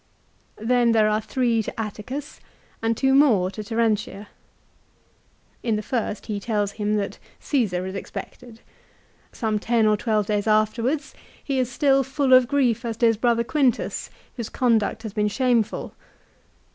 Then there are three to Atticus, and two more to Terentia. In the first he tells him that Caesar is expected. Some ten or twelve days afterwards he is still full of grief as to his brother Quintus, whose conduct has been shameful.